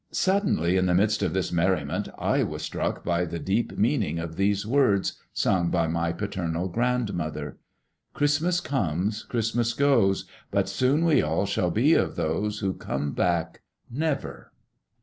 Suddenly in the midst of all this merriment I was struck by the deep meaning of these words, sung by my paternal grandmother: "Christmas comes, Christmas goes; But soon we all shall be of those Who come back never!"